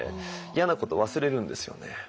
嫌なこと忘れるんですよね。